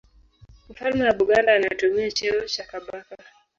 Mfalme wa Buganda anatumia cheo cha Kabaka.